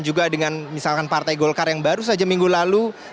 juga dengan misalkan partai golkar yang baru saja minggu lalu